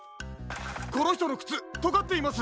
このひとのくつとがっています。